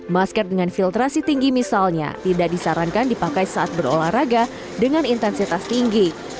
masker dengan filtrasi tinggi misalnya tidak disarankan dipakai saat berolahraga dengan intensitas tinggi